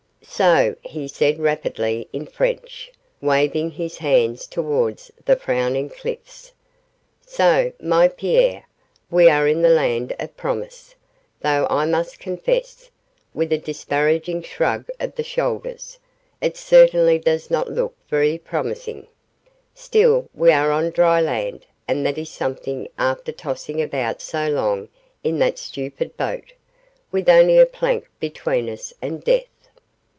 'So,' he said rapidly in French, waving his hand towards the frowning cliffs, 'so, my Pierre, we are in the land of promise; though I must confess' with a disparaging shrug of the shoulders 'it certainly does not look very promising: still, we are on dry land, and that is something after tossing about so long in that stupid boat, with only a plank between us and death.